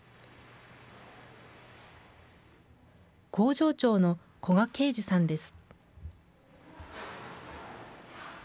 工場長の古賀慶次さんです。